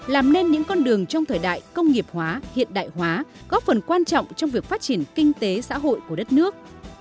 làm nên những con đường trong thời đại công nghiệp hóa hiện đại hóa góp phần quan trọng trong việc phát triển kinh tế xã hội của đất nước